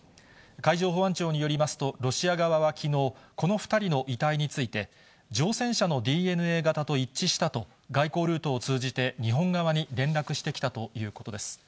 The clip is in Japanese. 海上保安庁によりますと、ロシア側はきのう、この２人の遺体について、乗船者のＤＮＡ型と一致したと、外交ルートを通じて日本側に連絡してきたということです。